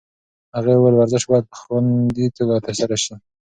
هغې وویل ورزش باید په خوندي توګه ترسره شي.